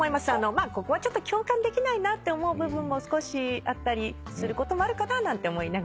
まあここはちょっと共感できないなって思う部分も少しあったりすることもあるかななんて思いながら。